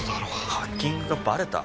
ハッキングがバレた？